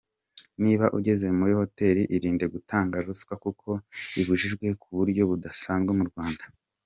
Niba ugeze muri hoteli, irinde gutanga ruswa kuko ibujijwe ku buryo budasanzwe mu Rwanda.